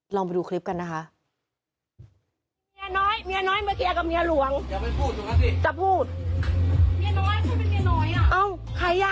ลองไปดูคลิปกันนะคะ